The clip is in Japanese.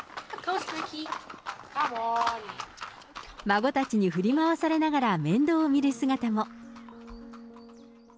孫たちに振り回されながら、面倒を見る姿も。